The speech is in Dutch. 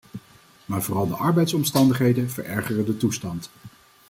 Maar vooral de arbeidsomstandigheden verergeren de toestand.